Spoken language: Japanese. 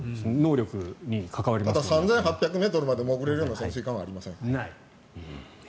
ただ、３８００ｍまで潜れるような潜水艦はありません。